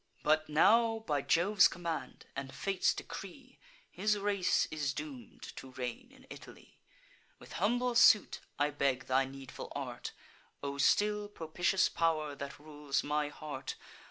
But now, by Jove's command, and fate's decree, His race is doom'd to reign in Italy: With humble suit I beg thy needful art, O still propitious pow'r, that rules my heart!